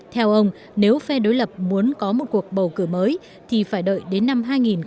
theo ông nếu phe đối lập muốn có một cuộc bầu cử mới thì phải đợi đến năm hai nghìn hai mươi